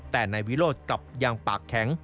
แต่นายวิโรธกลับยังปากแข็ง